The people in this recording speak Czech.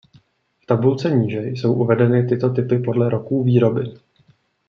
V tabulce níže jsou uvedeny tyto typy podle roků výroby.